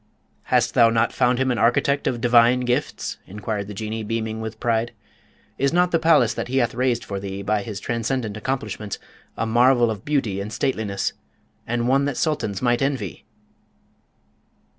"Hast thou not found him an architect of divine gifts?" inquired the Jinnee, beaming with pride. "Is not the palace that he hath raised for thee by his transcendent accomplishments a marvel of beauty and stateliness, and one that Sultans might envy?"